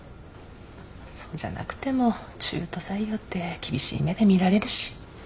そうじゃなくても中途採用って厳しい目で見られるし。